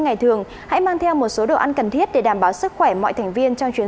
ngày thường hãy mang theo một số đồ ăn cần thiết để đảm bảo sức khỏe mọi thành viên trong chuyến